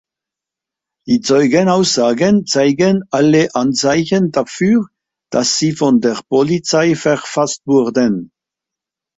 Die Zeugenaussagen zeigen alle Anzeichen dafür, dass sie von der Polizei verfasst wurden.